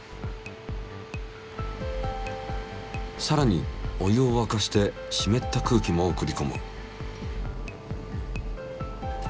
さらにお湯をわかしてしめった空気も送りこむ。